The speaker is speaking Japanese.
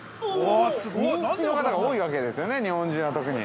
右利きの方が多いわけですよね、日本人は特に。